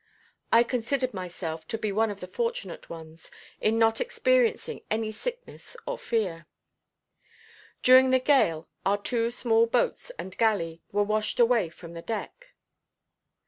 I considered myself to be one of the fortunate ones in not experiencing any sickness or fear. During the gale our two small boats and galley were washed away from the deck.